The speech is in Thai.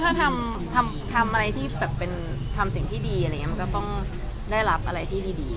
ใช่ก็คิดว่าถ้าทำอะไรที่ทำสิ่งที่ดีมันก็ต้องได้รับอะไรที่ดี